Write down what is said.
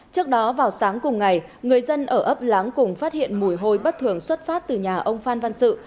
trước đó vào sáng cùng ngày người dân ở ấp láng cùng phát hiện mùi hôi bất thường xuất phát từ nhà ông phan văn sự